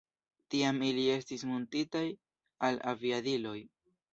Tiam ili estis muntitaj al aviadiloj.